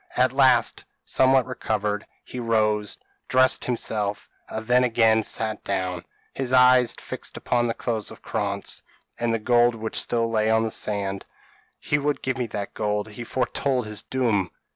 At last, somewhat recovered, he rose, dressed himself, and then again sat down his eyes fixed upon the clothes of Krantz, and the gold which still lay on the sand. "He would give me that gold. He foretold his doom.